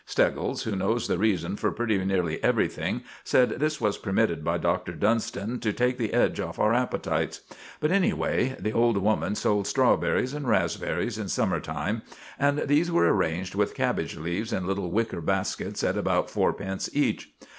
Steggles, who knows the reason for pretty nearly everything, said this was permitted by Doctor Dunston to take the edge off our appetites; but anyway, the old woman sold strawberries and raspberries in summer time, and these were arranged with cabbage leaves in little wicker baskets at about fourpence each.